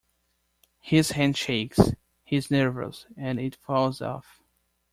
His hand shakes, he is nervous, and it falls off.